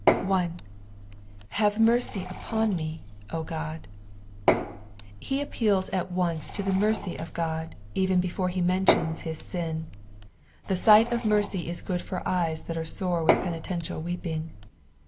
1. "Bom mtrcy vp<m me, 0 Ood." He appeals at once to the mercy of God, even before he menliona his ain. The sight of mercy is good for ejea that are sore with penitCDtial weeping.